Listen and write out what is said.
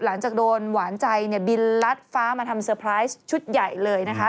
หลังจากโดนหวานใจบินรัดฟ้ามาทำสเตอร์ไพรส์ชุดใหญ่เลย